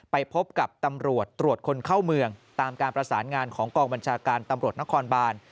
ไปพบกับตำรวจตรวจคนเข้าเมืองตามการประสานงานของกองบัญชาการตำรวจนครบาน